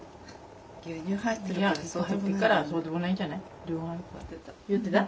牛乳入ってるからそうでもないんじゃない？